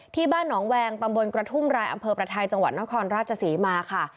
ที่บ้านหนองแวงตำบลกระทุ่มรายอำเภอประไทยจังหวัดนครราชศรีมาค่ะ